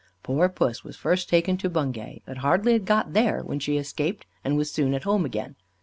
Poor Puss was first taken to Bungay, but had hardly got there when she escaped, and was soon at home again.